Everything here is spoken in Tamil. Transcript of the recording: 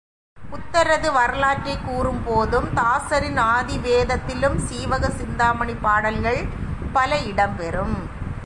புத்தரது வரலாற்றைக்கூறும்போதும் தாசரின் ஆதிவேதத் திலும் சீவக சிந்தாமணிப் பாடல்கள் பல இடம்பெறும்.